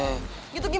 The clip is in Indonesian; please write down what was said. itu gimana maksudnya